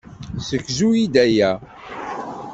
Segzu-yi-d aya.